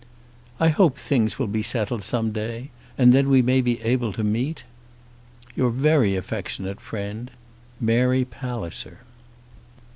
] I hope things will be settled some day, and then we may be able to meet. Your very affectionate Friend, MARY PALLISER.